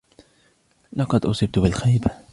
لقد أُصبت بالخيبة.